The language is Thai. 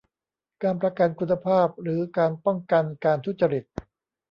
การประกันคุณภาพหรือการป้องกันการทุจริต